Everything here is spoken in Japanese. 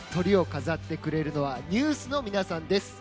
トリを飾ってくれるのはＮＥＷＳの皆さんです。